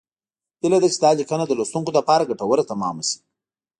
هیله ده چې دا لیکنه د لوستونکو لپاره ګټوره تمامه شي